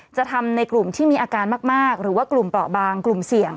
จะทำในกลุ่มที่มีอาการมากหรือว่ากลุ่มเปราะบางกลุ่มเสี่ยง